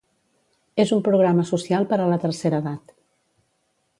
És un programa social per a la tercera edat.